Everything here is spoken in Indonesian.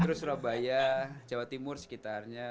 terus surabaya jawa timur sekitarnya